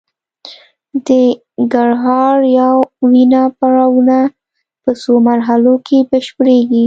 د ګړهار یا وینا پړاوونه په څو مرحلو کې بشپړیږي